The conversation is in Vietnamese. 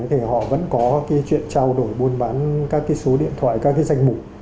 thì họ vẫn có chuyện trao đổi mua bán các số điện thoại các danh mục